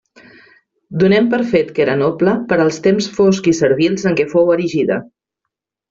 Donem per fet que era noble per als temps foscs i servils en què fou erigida.